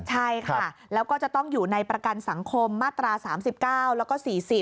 ใช่ค่ะแล้วก็จะต้องอยู่ในประกันสังคมมาตรา๓๙แล้วก็๔๐